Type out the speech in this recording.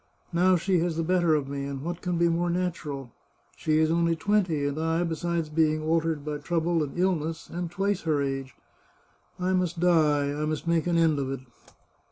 Now she has the better of me, and what can be more natural ? She is only twenty, and I, besides being altered by trouble and illness, am twice her age. ... I must die, I must make an end of it